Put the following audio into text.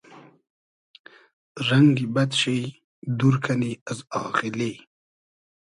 رئنگی بئد شی دور کئنی از آغیلی